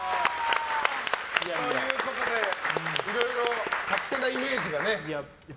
ということでいろいろ勝手なイメージがね。